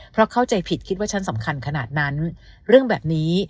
เพราะเข้าใจผิดคิดว่าฉันสำคัญขนาดนั้นเรื่องแบบนี้